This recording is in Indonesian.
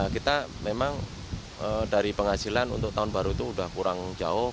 kita memang dari penghasilan untuk tahun baru itu sudah kurang jauh